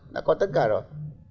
đã có tất cả rồi